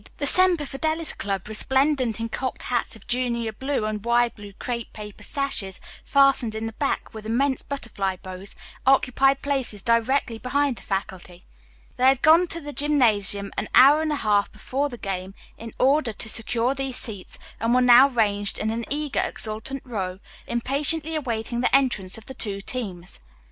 The Semper Fidelis Club, resplendent in cocked hats of junior blue and wide blue crepe paper sashes fastened in the back with immense butterfly bows, occupied places directly behind the faculty. They had gone to the gymnasium an hour and a half before the game in order to secure these seats, and were now ranged in an eager, exultant row, impatiently awaiting the entrance of the two teams.